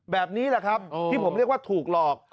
แบบนี้แหละครับที่ผมเรียกว่าถูกหลอก